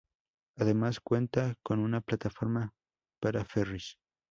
Además cuenta con una plataforma para ferris.